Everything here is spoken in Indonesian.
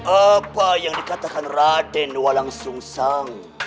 apa yang dikatakan raden walau susah